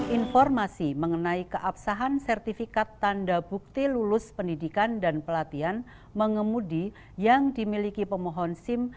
informasi mengenai keabsahan sertifikat tanda bukti lulus pendidikan dan pelatihan mengemudi yang dimiliki pemohon sim